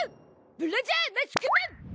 ブラジャーマスクマン！